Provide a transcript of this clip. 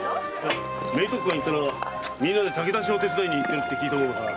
明徳館へ行ったら皆で炊き出しの手伝いに行ってるって聞いたものだから。